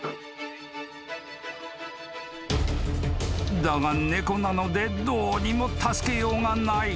［だが猫なのでどうにも助けようがない］